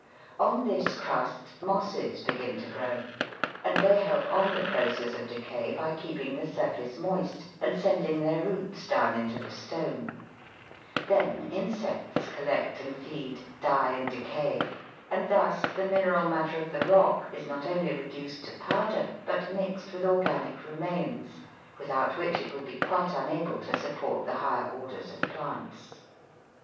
On this crust mosses begin to grow, and they help on the process of decay by keeping the surface moist and sending their roots down into the stone ; then insects collect and feed, die and decay, and thus the mineral matter of the rock is not only reduced to powder but mixed with organic remains, without which it would be quite unable to support the higher orders of plants.